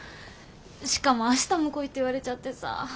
しかも明日も来いって言われちゃってさ。